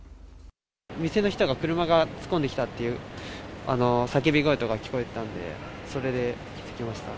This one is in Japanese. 店の人が車が突っ込んできたっていう叫び声とか聞こえたんで、それで気付きました。